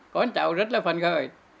con cháu rất là phần khởi